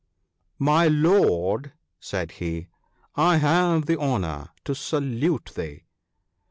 " My lord," said he, " I have the honour to salute thee."